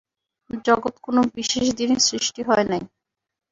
জগৎ কোন বিশেষ দিনে সৃষ্ট হয় নাই।